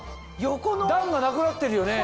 段がなくなってるよね。